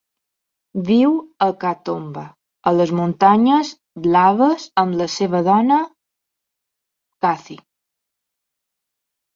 Viu a Katoomba a les Muntanyes Blaves amb la seva dona, Cathie.